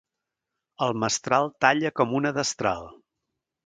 El mestral talla com una destral.